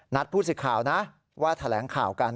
ผู้สิทธิ์ข่าวนะว่าแถลงข่าวกัน